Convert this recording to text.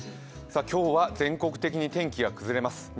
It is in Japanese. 今日は全国的に天気が崩れます。